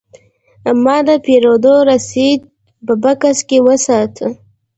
ما د پیرود رسید په بکس کې وساته.